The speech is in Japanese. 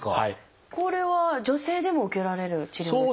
これは女性でも受けられる治療ですか？